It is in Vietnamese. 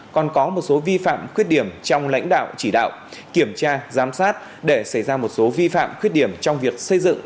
còn có một số vi phạm khuyết điểm trong lãnh đạo chỉ đạo kiểm tra giám sát để xảy ra một số vi phạm khuyết điểm trong việc xây dựng